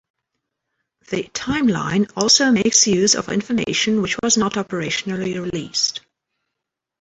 The timeline also makes use of information which was not operationally released.